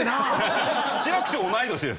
市役所同い年です。